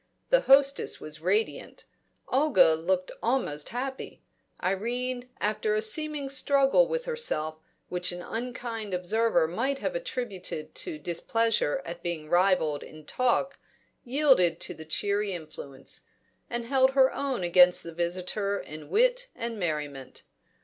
The hostess was radiant; Olga looked almost happy; Irene, after a seeming struggle with herself, which an unkind observer might have attributed to displeasure at being rivalled in talk, yielded to the cheery influence, and held her own against the visitor in wit and merriment.